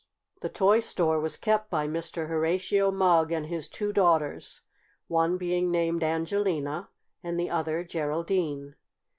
The toy store was kept by Mr. Horatio Mugg and his two daughters, one being named Angelina and the other Geraldine.